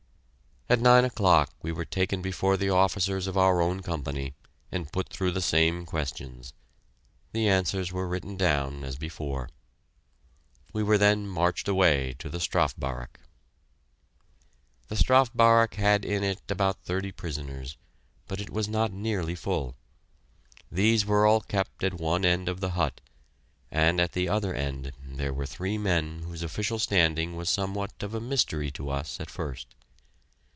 At nine o'clock we were taken before the officers of our own Company, and put through the same questions. The answers were written down, as before. We were then marched away to the Strafe Barrack. The Strafe Barrack had in it about thirty prisoners, but it was not nearly full. These were all kept at one end of the hut, and at the other end there were three men whose official standing was somewhat of a mystery to us at first.